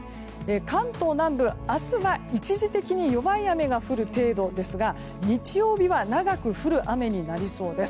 関東南部、明日は一時的に弱い雨が降る程度ですが日曜日は長く降る雨になりそうです。